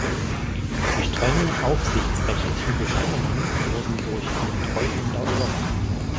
Die strengen aufsichtsrechtlichen Bestimmungen wurden durch einen Treuhänder überwacht.